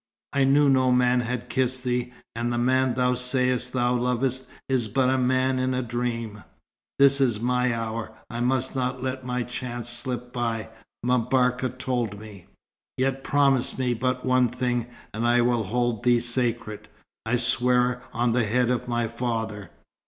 I knew no man had kissed thee. And the man thou sayest thou lovest is but a man in a dream. This is my hour. I must not let my chance slip by, M'Barka told me. Yet promise me but one thing and I will hold thee sacred I swear on the head of my father."